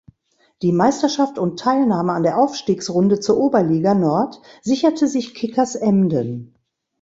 Die Meisterschaft und Teilnahme an der Aufstiegsrunde zur Oberliga Nord sicherte sich Kickers Emden.